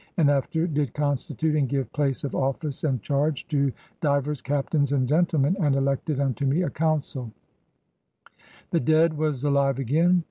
. and after ••• did constitute and give place of office and chardge to divers Captaines and gentlemen and elected unto me a coimsaile. The dead was alive again.